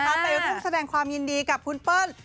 ไปร่วมแสดงความยินดีกับคุณเปิ้ล